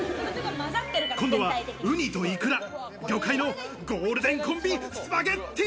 今度は、ウニとイクラ、魚介のゴールデンコンビスパゲッティ！